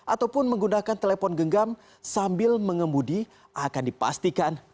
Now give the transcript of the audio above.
ataupun menggunakan telepon genggam sambil mengemudi akan dipastikan